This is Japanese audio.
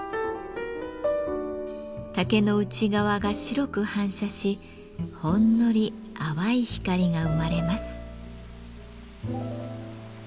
竹の内側が白く反射しほんのり淡い光が生まれます。